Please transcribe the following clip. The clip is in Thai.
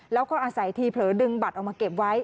แล้วก็อาศัยทีเผลอดึงบัตรออกมาเก็บไว้